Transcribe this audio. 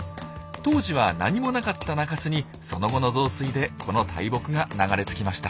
当時は何もなかった中州にその後の増水でこの大木が流れ着きました。